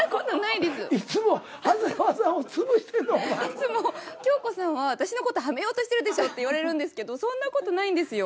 いつも京子さんは「私の事はめようとしてるでしょ」って言われるんですけどそんな事ないんですよ。